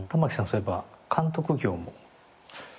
そういえば監督業も。